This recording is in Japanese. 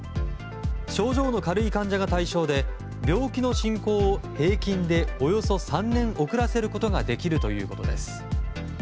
症状の軽い患者が対象で病気の進行を、平均でおよそ３年遅らせることができるということです。